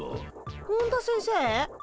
本田先生？